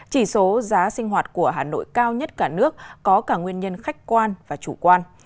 chỉ số giá sinh hoạt của hà nội cao nhất cả nước có cả nguyên nhân khách quan và chủ quan